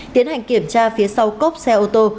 tiến hành kiểm tra phía sau cốp xe ô tô